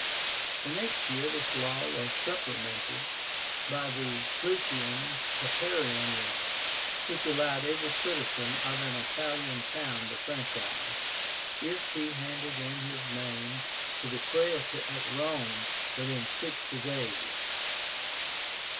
The next year this law was supplemented by the PLAUTIAN PAPIRIAN LAW, which allowed every citizen of an Italian town the franchise, if he handed in his name to the Praetor at Rome within sixty days.